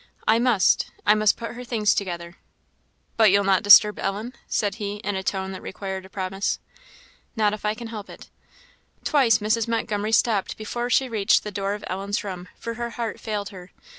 "I must I must put her things together." "But you'll not disturb Ellen?" said he, in a tone that required a promise. "Not if I can help it." Twice Mrs. Montgomery stopped before she reached to door of Ellen's room, for her heart failed her.